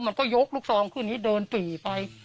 มันก็ยกลูกซองขึ้นนี้เดินปี่ไป